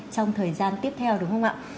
trong thời gian tiếp theo đúng không ạ